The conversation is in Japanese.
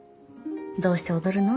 「どうして踊るの？」